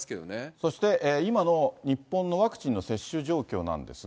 そして今の日本のワクチンの接種状況なんですが。